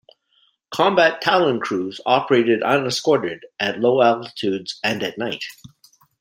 Combat Talon crews operated unescorted at low altitudes and at night.